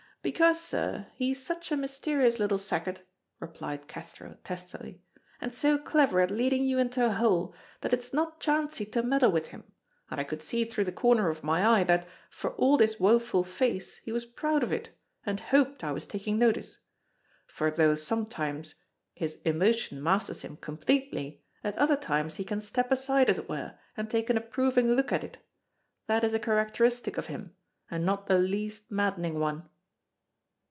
"Because, sir, he is such a mysterious little sacket," replied Cathro, testily, "and so clever at leading you into a hole, that it's not chancey to meddle with him, and I could see through the corner of my eye that, for all this woeful face, he was proud of it, and hoped I was taking note. For though sometimes his emotion masters him completely, at other times he can step aside as it were, and take an approving look at it. That is a characteristic of him, and not the least maddening one."